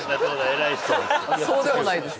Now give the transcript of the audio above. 偉い人そうでもないです